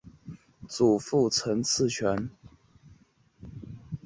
至正八年废。